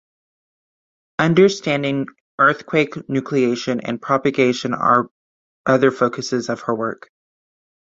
Understanding earthquake nucleation and propagation are other focuses of her work.